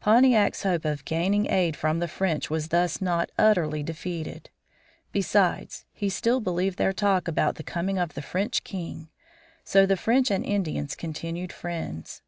Pontiac's hope of gaining aid from the French was thus not utterly defeated. Besides, he still believed their talk about the coming of the French king. So the French and Indians continued friends.